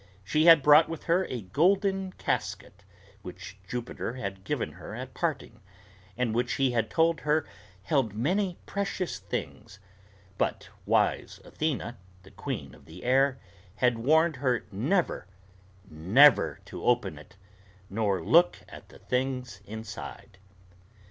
She had brought with her a golden casket, which Jupiter had given her at parting, and which he had told her held many precious things; but wise Athena, the queen of the air, had warned her never, never to open it, nor look at the things inside.